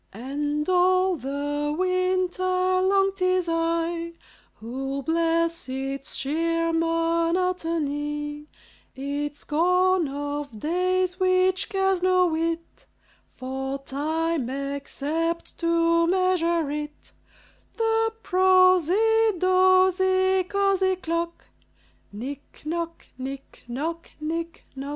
And all the winter long 't is I Who bless its sheer monotony Its scorn of days, which cares no whit For time, except to measure it: The prosy, dozy, cosy clock, Nic noc, nic noc, nic noc!